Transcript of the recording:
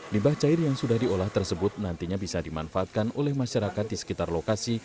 limbah cair yang sudah diolah tersebut nantinya bisa dimanfaatkan oleh masyarakat di sekitar lokasi